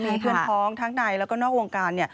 มีเพื่อนพ้องทั้งในแล้วก็นอกวงการ